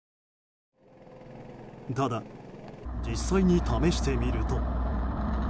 ただ、実際に試してみると。